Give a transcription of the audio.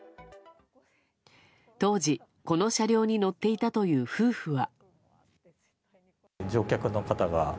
当時、この車両に乗っていたという夫婦は。